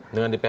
dengan di phk